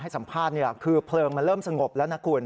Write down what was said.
ให้สัมภาพเนี่ยคือเพลิงมันเริ่มสงบแล้วนะคุณ